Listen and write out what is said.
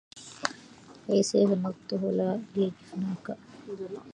أي سيف نضته لي جفناكا